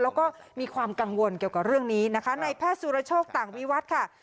แล้วก็มีความกังวลเกี่ยวกับเรื่องนี้นะคะในแพทย์สุรโชคต่างวิวัตรค่ะ